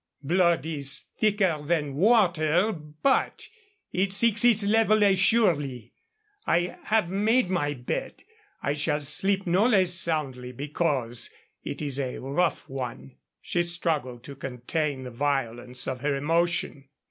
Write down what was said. "Blood is thicker than water, but it seeks its level as surely. I have made my bed; I shall sleep no less soundly because it is a rough one." She struggled to contain the violence of her emotion.